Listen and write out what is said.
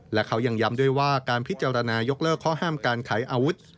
และเขายังย้ำด้วยว่าการพิจารณายกเลิกข้อห้ามการขายอาวุธ